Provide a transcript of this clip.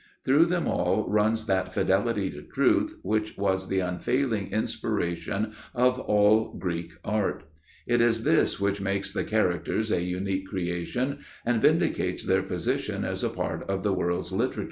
Through them all runs that fidelity to truth which was the unfailing inspiration of all Greek art. It is this which makes The Characters a unique creation and vindicates their position as a part of the world's literature.